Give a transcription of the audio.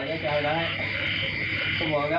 แล้วข้าแล้วหนีมา